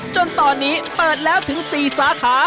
จนตอนนี้เปิดแล้วถึง๔สาขา